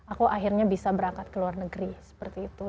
aku akhirnya bisa berangkat ke luar negeri seperti itu